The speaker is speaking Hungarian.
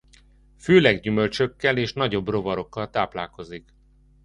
Főleg gyümölcsökkel és nagyobb rovarokkal táplálkozik.